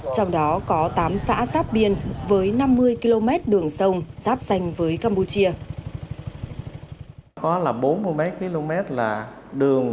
trong đó có tám xã giáp biên với năm mươi km đường sông giáp danh với campuchia có là bốn mươi mấy km là đường